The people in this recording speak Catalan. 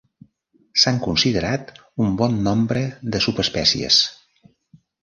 S'han considerat un bon nombre de subespècies.